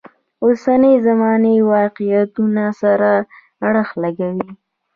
اوسنۍ زمانې واقعیتونو سره اړخ لګوي.